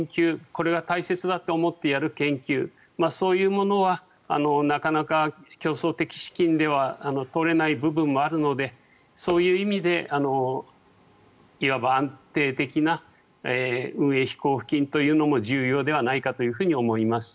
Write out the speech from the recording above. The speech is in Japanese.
これは大切だと思ってやる研究そういうものはなかなか競争的資金では取れない部分もあるのでそういう意味でいわば安定的な運営費交付金というのも重要ではないかと思います。